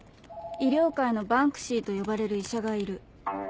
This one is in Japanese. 「医療界のバンクシーと呼ばれる医者がいる。